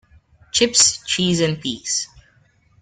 Chips, cheese and peas.